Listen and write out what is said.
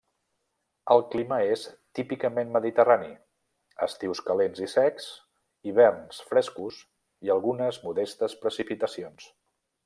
El clima és típicament mediterrani: estius calents i secs, hiverns frescos, i algunes modestes precipitacions.